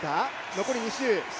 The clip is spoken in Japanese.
残り２周。